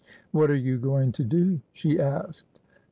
'What are you going to do?' she asked.